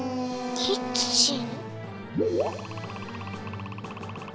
キッチン？